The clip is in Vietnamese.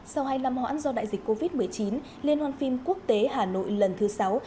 sau hai năm hoãn do đại dịch covid một mươi chín liên hoàn phim quốc tế hà nội lần thứ sáu